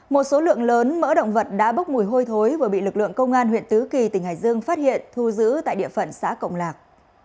một số lượng lớn mỡ động vật đã bốc mùi hôi thối vừa bị lực lượng công an huyện tứ kỳ tỉnh hải dương phát hiện thu giữ tại địa phận xã cộng lạc